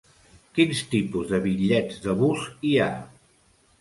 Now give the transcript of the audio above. Quins tipus de bitllets de bus hi ha?